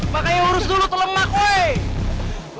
makanya urus dulu telemak wey